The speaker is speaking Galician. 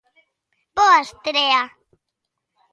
Boa estrea.